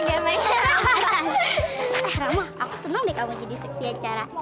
eh rama aku senang deh kamu jadi seksi acara